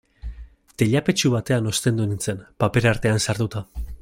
Teilapetxu batean ostendu nintzen, paper artean sartuta.